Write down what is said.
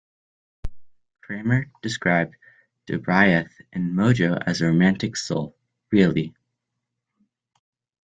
Kramer described Jobriath in Mojo as a romantic soul, really.